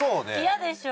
嫌でしょ？